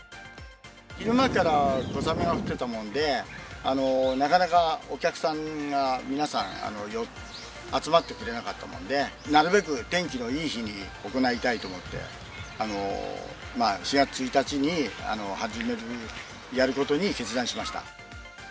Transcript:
昼間から小雨が降ってたもんで、なかなかお客さんが、皆さん集まってくれなかったので、なるべく天気のいい日に行いたいと思って、４月１日に始める、やることに決断しました。